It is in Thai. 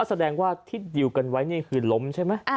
แสดงว่าที่ดิวกันไว้นี่คือล้มใช่ไหม